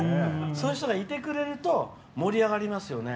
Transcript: そういう人がいてくれると盛り上がりますよね。